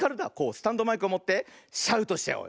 スタンドマイクをもってシャウトしちゃおう。